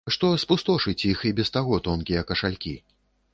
Што спустошыць іх і без таго тонкія кашалькі.